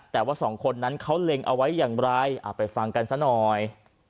แต่ว่าสองคนนั้นเขาเล็งเอาไว้อย่างไรไปฟังกันซะหน่อย